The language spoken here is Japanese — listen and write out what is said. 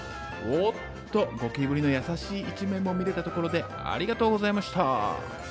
おっとゴキブリの優しい一面も見れたところでありがとうございました。